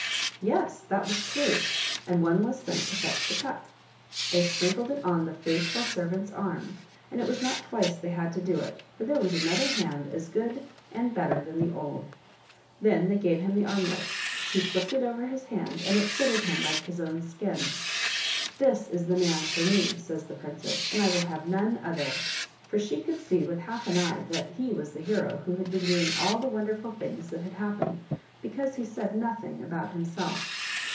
Yes, that was true, and one was sent to fetch the cup. They sprinkled it on the faithful servant's arm, and it was not twice they had to do it, for there was another hand as good and better than the old. Then they gave him the armlet ; he slipped it over his hand, and it fitted him like his own skin. " This is the man for me," says the princess, " and I will have none other;" for she could see with half an eye that he was the hero w^ho had been doing all the wonderful things that had happened, because he said nothing about himself.